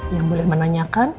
yang boleh menanyakan